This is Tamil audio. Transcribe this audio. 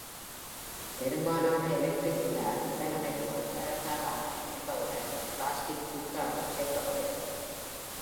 பெரும்பாலான எலக்ட்ரிக் கிடார் உடலமைப்புகள் மரத்தாலானவை என்பதுடன் ஒரு பிளாஸ்டிக் பிக் கார்டும் சேர்க்கப்பட்டிருக்கும்.